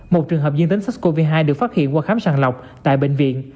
một trường hợp dương tính sars cov hai được phát hiện qua khám sàng lọc tại bệnh viện